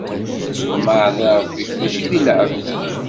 Ḍmeɛ di Ṛebbi, mačči di lɛebd!